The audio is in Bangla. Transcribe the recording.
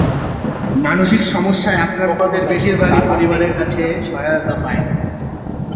মানসিক সমস্যায় আক্রান্তদের বেশির ভাগই পরিবারের কাছ থেকে সহায়তা পায় না।